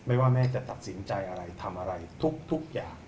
ว่าแม่จะตัดสินใจอะไรทำอะไรทุกอย่าง